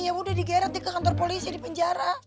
yaudah digeret di kantor polisi di penjara